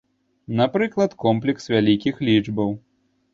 Напрыклад, комплекс вялікіх лічбаў.